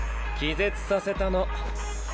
気絶させたの。